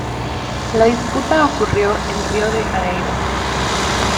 La disputa ocurrió en Río de Janeiro.